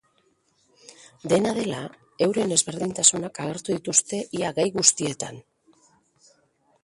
Dena dela, euren ezberdintasunak agertu dituzte ia gai guztietan.